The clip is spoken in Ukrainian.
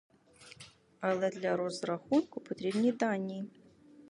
Але для розрахунку потрібні дані!